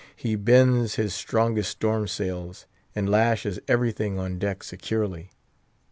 He "bends" his strongest storm sails, and lashes every thing on deck securely.